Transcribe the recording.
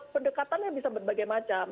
pendekatan yang bisa berbagai macam